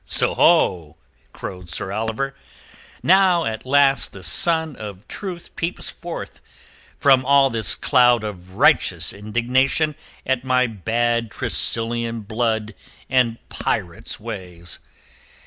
"Soho!" crowed Sir Oliver. "Now at last the sun of truth peeps forth from all this cloud of righteous indignation at my bad Tressilian blood and pirate's ways!